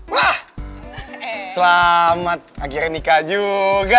wah selamat akhirnya nikah juga